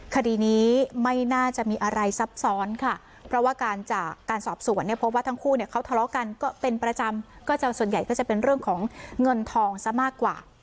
คดีนี้ไม่น่าจะมีอะไรซับซ้อนค่ะเพราะว่าการจากการสอบสวนเนี่ยพบว่าทั้งคู่เนี่ยเขาทะเลาะกันก็เป็นประจำก็จะส่วนใหญ่ก็จะเป็นเรื่องของเงินทองซะมากกว่า